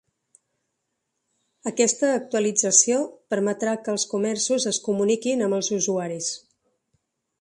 Aquesta actualització permetrà que els comerços es comuniquin amb els usuaris.